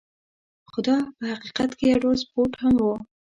خو دا په حقیقت کې یو ډول سپورت هم و.